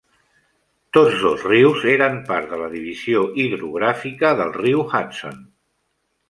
Tots dos rius eren part de la divisòria hidrogràfica del riu Hudson.